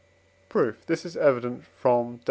Proof. This is evident from Def.